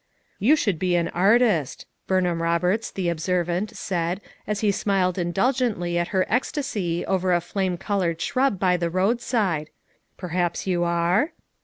"You should be an artist," Bumham Rob erts, the observant, said as he smiled in dulgently at her ecstasy over a flame colored shrub by the roadside; " perhaps you are?"